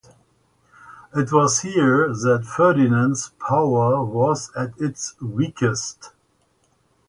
It was here that Ferdinand's power was at its weakest.